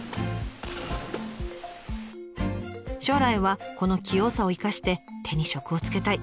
「将来はこの器用さを生かして手に職をつけたい」。